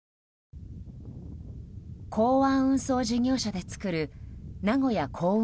港湾運送事業者で作る名古屋港運